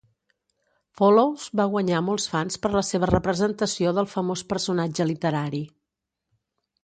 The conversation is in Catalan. Follows va guanyar molts fans per la seva representació del famós personatge literari.